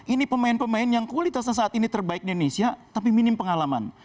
ini pemain pemain yang kualitasnya saat ini terbaik di indonesia tapi minim pengalaman